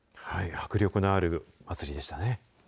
迫力のある祭りでしたね。